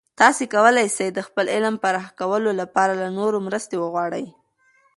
تاسې کولای سئ د خپل علم پراخه کولو لپاره له نورو مرستې وغواړئ.